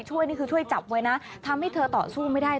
นี่คือช่วยจับไว้นะทำให้เธอต่อสู้ไม่ได้